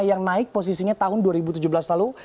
yang naik posisinya tahun dua ribu tujuh belas lalu